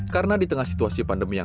karena di tengah situasi pandemi ini